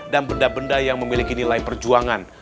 dan benda benda yang memiliki nilai perjuangan